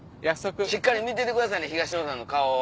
しっかり見ててくださいね東野さんの顔を。